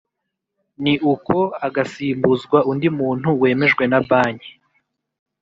Ni uko agasimbuzwa undi muntu wemejwe na Banki